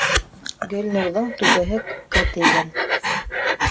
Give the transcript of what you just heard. Гөлнурҙың түбәһе күккә тейгән.